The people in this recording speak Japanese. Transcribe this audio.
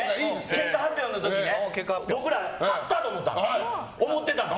結果発表の時僕ら勝ったと思ってたの。